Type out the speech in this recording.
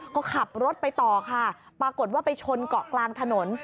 ก็ขับรถไปต่อค่ะปรากฏว่าไปชนเกาะกลางถนน